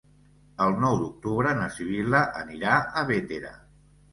El nou d'octubre na Sibil·la anirà a Bétera.